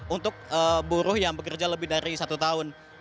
untuk buruh yang bekerja lebih dari satu tahun